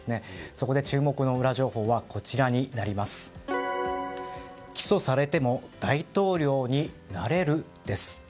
そこで注目のウラ情報は起訴されても大統領になれる？です。